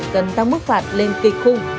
cần tăng mức phạt lên kịch khung